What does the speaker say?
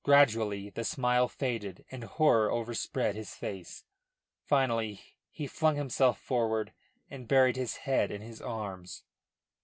Gradually the smile faded and horror overspread his face. Finally he flung himself forward and buried his head in his arms.